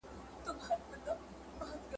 د ښار خلکو ته راوړې یې دعوه وه ,